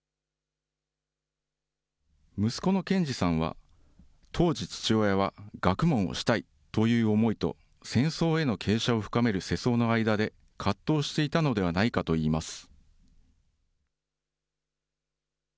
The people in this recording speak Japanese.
息子の研二さんは、当時、父親は学問をしたいという思いと、戦争への傾斜を深める世相の間で葛藤していたのではないかといいます。